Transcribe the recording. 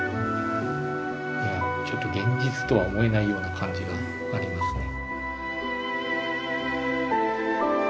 ちょっと現実とは思えないような感じがありますね。